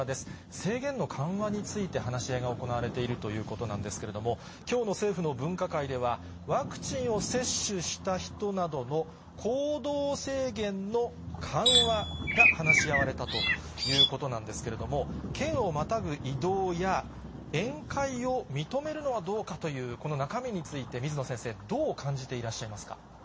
制限の緩和について話し合いが行われているということなんですけれども、きょうの政府の分科会では、ワクチンを接種した人などの行動制限の緩和が話し合われたということなんですけれども、県をまたぐ移動や宴会を認めるのはどうかという中身について、水野先生、どう感じていらっしゃいますか。